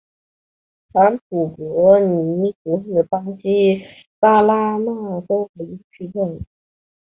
坎普博尼图是巴西巴拉那州的一个市镇。